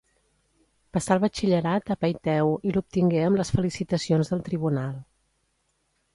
Passà el batxillerat a Peiteu i l'obtingué amb les felicitacions del tribunal.